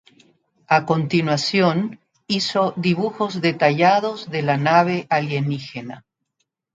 A continuación, hizo dibujos detallados de la nave alienígena.